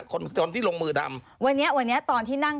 คนที่ลงมือทำวันนี้ตอนที่นั่ง